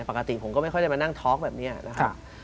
ปกติผมก็ไม่ค่อยได้มานั่งท้องแบบนี้นะครับ